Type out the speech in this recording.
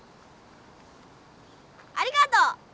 ありがとう！